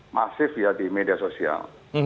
masif ya di media sosial